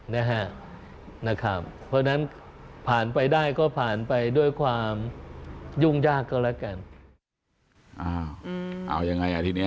นะครับเพราะฉะนั้นผ่านไปได้ก็ผ่านไปด้วยความยุ่งยากก็แล้วกัน